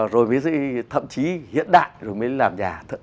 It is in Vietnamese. rồi mới thậm chí hiện đại rồi mới làm nhà thôi